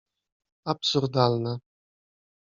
absurdalne.